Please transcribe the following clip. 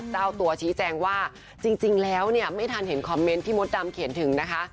เจ้าตัวชี้แจงว่าจริงแล้วเนี่ยไม่ทันเห็นคอมเมนต์ที่มดดำเขียนถึงนะคะ